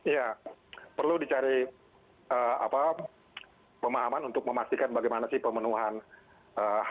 ya perlu dicari pemahaman untuk memastikan bagaimana sih pemenuhan hak rakyat atas rumah ya